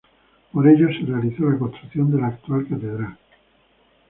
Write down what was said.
Por ello, se realizó la construcción de la actual catedral.